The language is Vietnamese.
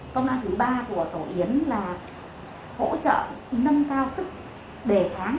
công an thứ ba của tổ yến là hỗ trợ nâng cao sức đề kháng